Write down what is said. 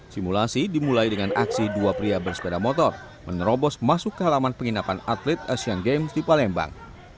simulasi dimulai dengan aksi dua pria bersepeda motor menerobos masuk ke halaman penginapan atlet asian games di palembang